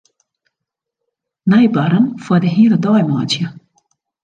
Nij barren foar de hiele dei meitsje.